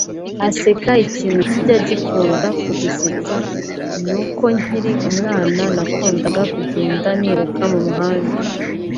(Aseka) Ikintu kijya gikunda kudusetsa ni uko nkiri umwana nakundaga kugenda niruka mu muhanda